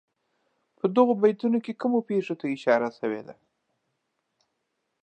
په دغو بیتونو کې کومو پېښو ته اشاره شوې.